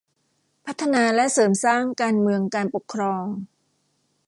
พัฒนาและเสริมสร้างการเมืองการปกครอง